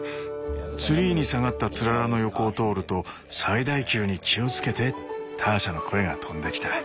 ツリーに下がったつららの横を通ると「最大級に気をつけて」ターシャの声が飛んできた。